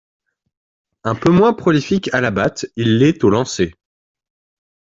Un peu moins prolifique à la batte, il l'est au lancer.